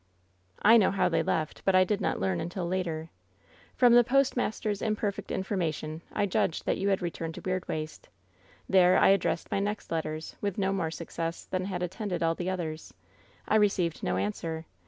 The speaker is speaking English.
" 'I know how they left, but I did not learn until later. From the postmaster's imperfect information I judged that you had returned to Weirdwaste. There I addressed my next letters, with no more success than had attended all the others. I received no answer.